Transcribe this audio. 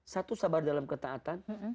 satu sabar dalam ketaatan